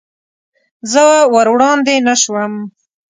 زه ور وړاندې نه شوم.